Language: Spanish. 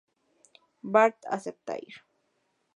Bart acepta ir.